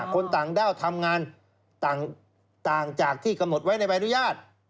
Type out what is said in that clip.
คนต่างด้าวทำงานต่างจากที่กำหนดไว้ในใบอนุญาต